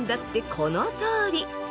このとおり。